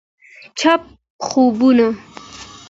چپه خوبونه …